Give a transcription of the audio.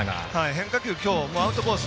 変化球、今日アウトコース